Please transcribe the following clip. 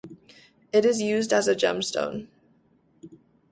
It is used a gemstone.